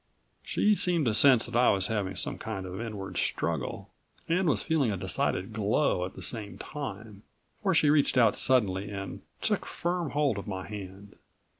She seemed to sense that I was having some kind of inward struggle, and was feeling a decided glow at the same time, for she reached out suddenly and took firm hold of my hand.